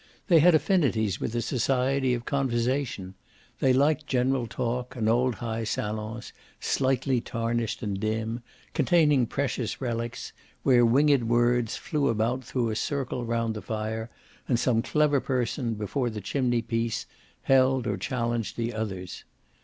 They had affinities with a society of conversation; they liked general talk and old high salons, slightly tarnished and dim, containing precious relics, where winged words flew about through a circle round the fire and some clever person, before the chimney piece, held or challenged the others.